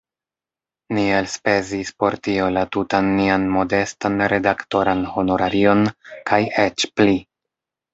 Ni elspezis por tio la tutan nian modestan redaktoran honorarion kaj eĉ pli.